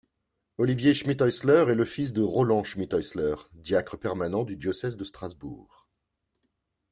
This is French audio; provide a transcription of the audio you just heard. Olivier Schmitthaeusler est le fils de Roland Schmitthaeusler, diacre permanent du diocèse de Strasbourg.